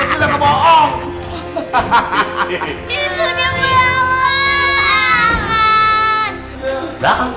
itu dia belakang